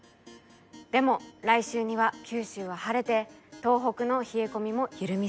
でも来週には九州は晴れて東北の冷え込みも緩みそうです。